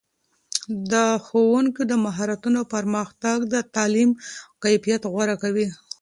د ښوونکو د مهارتونو پرمختګ د تعلیم کیفیت غوره کوي.